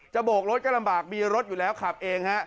โบกรถก็ลำบากมีรถอยู่แล้วขับเองฮะ